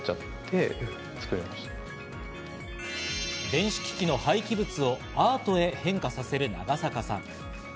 電子機器の廃棄物をアートへ変化させる長坂さん。